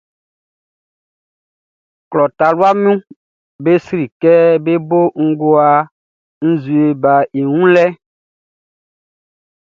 Klɔ taluaʼm be sri kɛ bé bó ngowa nzue baʼn i wun lɛʼn.